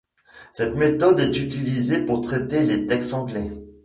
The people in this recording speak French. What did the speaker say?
Cette méthode est utilisée pour traiter les textes anglais.